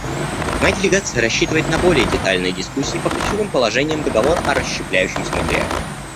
Моя делегация рассчитывает на более детальные дискуссии по ключевым положениям договора о расщепляющемся материале.